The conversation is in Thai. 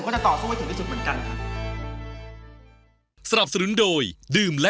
สามารถรับชมได้ทุกวัย